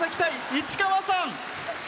市川さん。